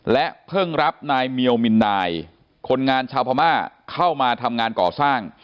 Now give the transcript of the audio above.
เพิ่งรับนายเมียวมินนายคนงานชาวพม่าเข้ามาทำงานก่อสร้าง